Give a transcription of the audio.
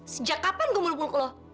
sejak kapan gue meluk meluk lo